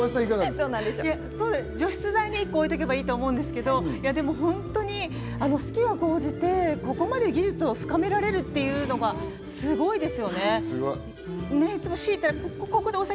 除湿剤１個置いておけばいいと思うんですけど、本当に好きがこうじて、ここまで技術を深められるっていうのがすごいですよね。